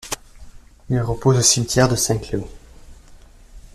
Il repose au cimetière de Saint-Cloud.